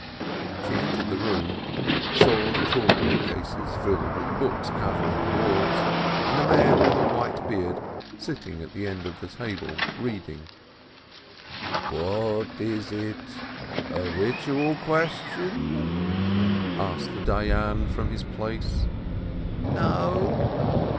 She entered the room, saw the tall bookcases filled with books covering the walls, and a man with a white beard sitting at the end of the table reading. "What is it, a ritual question ?" asked the Dayan from his place. "No."